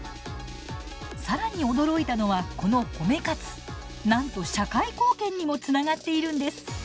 更に驚いたのはこの褒め活なんと社会貢献にもつながっているんです。